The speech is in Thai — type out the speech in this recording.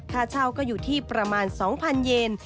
ค่าเช่าก็อยู่ที่ประมาณ๒๐๐๐เยน